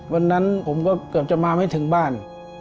วันนั้นผมก็เกือบจะมาไม่ถึงบ้าน